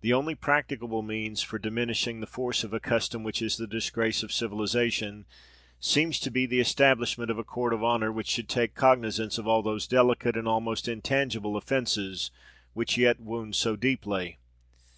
The only practicable means for diminishing the force of a custom which is the disgrace of civilisation, seems to be the establishment of a court of honour, which should take cognisance of all those delicate and almost intangible offences which yet wound so deeply.